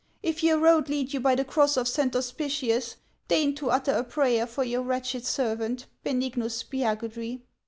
If your road lead you by the cross of Saint Hospitius, deign to utter a prayer for your wretched servant, Benignus Spiagudry."